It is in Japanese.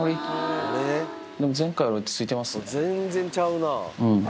全然ちゃうな！